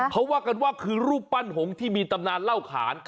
เขาว่ากันว่าคือรูปปั้นหงษ์ที่มีตำนานเล่าขาน